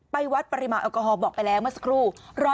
วัดปริมาณแอลกอฮอลบอกไปแล้วเมื่อสักครู่